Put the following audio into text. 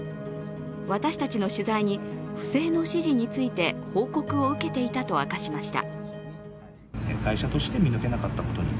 私たちの取材に不正の指示について報告を受けていたと明かしました。